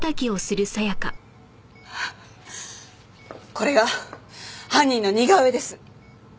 これが犯人の似顔絵です。